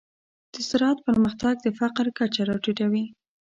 د زراعت پرمختګ د فقر کچه راټیټوي.